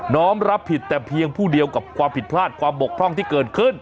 น้องรับผิดแต่เพียงผู้เดียวกับความผิดพลาดความบกพร่องที่เกิดขึ้น